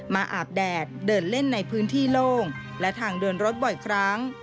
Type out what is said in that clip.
อาบแดดเดินเล่นในพื้นที่โล่งและทางเดินรถบ่อยครั้ง